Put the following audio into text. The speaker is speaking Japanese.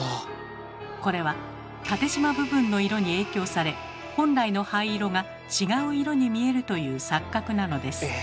これは縦じま部分の色に影響され本来の灰色が違う色に見えるという錯覚なのです。